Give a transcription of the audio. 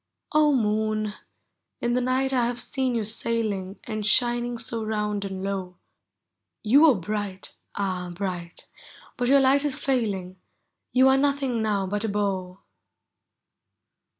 0 Moon ! in the night I have seen you sailing And shining so round and low. You were bright— ah, bright — but your light is failing; You are nothing now but a bow.